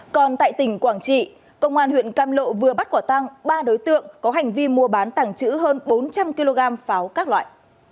còn tại tỉnh quảng trị công an huyện cam lộ vừa bắt quả tăng ba đối tượng có hành vi mua bán tảng chữ hơn bốn trăm linh kg pháo các loại